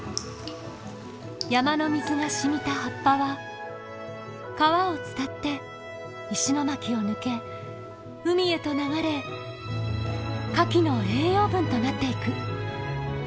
山の水がしみた葉っぱは川を伝って石巻を抜け海へと流れカキの栄養分となっていく。